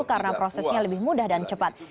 karena prosesnya lebih mudah dan cepat